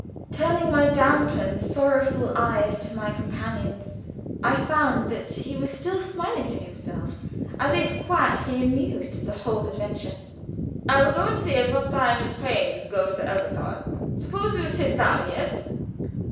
Turning my damp and sorrowful eyes to my companion, I found that he was still smiling to himself as if quietly amused at the whole adventure. "I will go and see at what time the trains go to Elberthal. Suppose you sit down yes?"